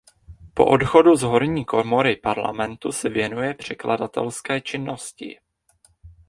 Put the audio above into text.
Po odchodu z horní komory parlamentu se věnuje překladatelské činnosti.